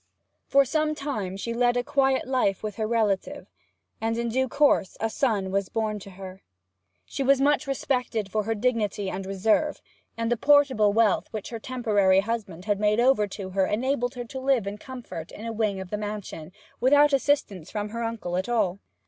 For some time she led a quiet life with her relative, and in due course a son was born to her. She was much respected for her dignity and reserve, and the portable wealth which her temporary husband had made over to her enabled her to live in comfort in a wing of the mansion, without assistance from her uncle at all.